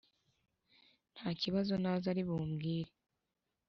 ntakibazo naza ari bumbwire